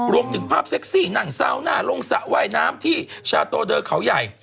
รวมถึงภาพเซ็กซี่นั่งซาวหน้าลงสระว่ายน้ำที่ชาโตเดอร์เขาใหญ่